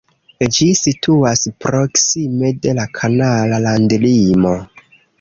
Ĝi situas proksime de la kanada landlimo.